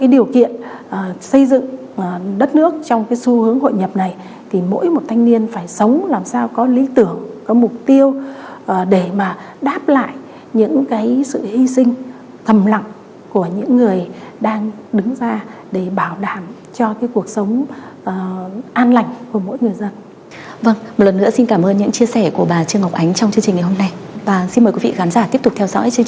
và xin mời quý vị gắn giả tiếp tục theo dõi chương trình an ninh hai mươi bốn h